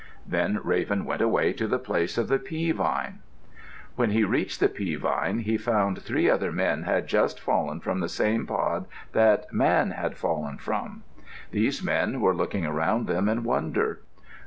Then Raven went away to the place of the pea vine. When he reached the pea vine he found three other men had just fallen from the same pod that Man had fallen from. These men were looking about them in wonder.